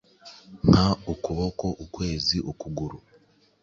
nka: ukuboko, ukwezi, ukuguru,…